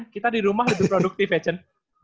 kita di rumah lebih produktif ya chen